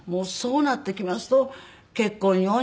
そうなってきますと結婚